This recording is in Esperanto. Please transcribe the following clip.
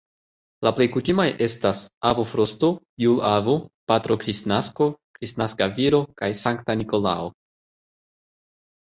La plej kutimaj estas "Avo Frosto", "Jul-Avo", "Patro Kristnasko", "Kristnaska Viro" kaj "Sankta Nikolao".